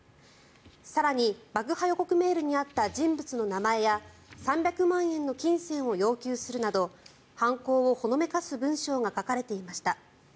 更に、爆破予告メールにあった人物の名前や３００万円の金銭を要求するなど犯行をほのめかす文章が書かれていました。